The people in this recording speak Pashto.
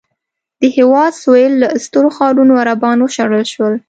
د هېواد سوېل له سترو ښارونو عربان وشړل شول.